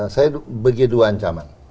saya bagi dua ancaman